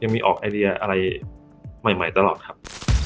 ยังมีออกไอเดียอะไรหลายตลอดครับ